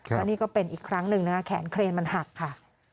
แล้วนี่ก็เป็นอีกครั้งหนึ่งนะคะแขนเครนมันหักค่ะ